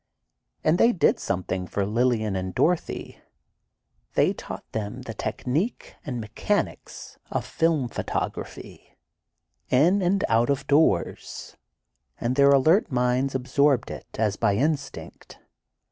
But they did something for Lillian and Dorothy: They taught them the technique and mechanics of film photography, in and out of doors, and their alert minds absorbed it as by instinct.